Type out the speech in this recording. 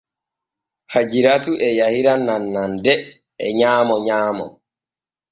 Hajiratu e yahira nannande e nyaamo nyaamo.